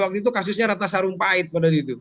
waktu itu kasusnya ratasarung pahit